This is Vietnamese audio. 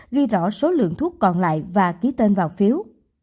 ghi rõ số lượng thuốc còn lại và ký tên vào phiếu